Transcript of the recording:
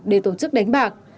để tổ chức đánh bạc